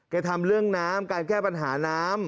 ทำเรื่องน้ำการแก้ปัญหาน้ำ